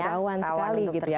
perlawan sekali gitu ya